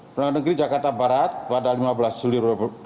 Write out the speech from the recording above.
pengadilan negeri jakarta barat pada lima belas juli dua ribu dua puluh